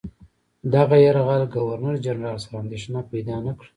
دغه یرغل ګورنرجنرال سره اندېښنه پیدا نه کړه.